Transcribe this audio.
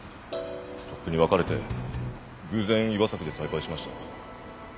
とっくに別れて偶然岩崎で再会しました。